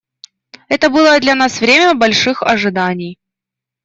Это было для нас время больших ожиданий.